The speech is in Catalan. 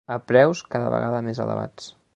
A preus cada vegada més elevats